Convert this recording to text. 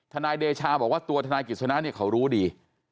ทนายเดชาบอกว่าตัวทนายกิจสนะเขารู้ดี